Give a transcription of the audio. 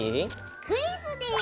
クイズです。